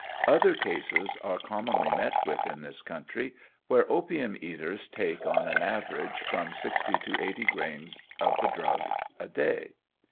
Other cases are commonly met with in this country, where opium eaters take on an average from 60 to 80 grains of the drug a day.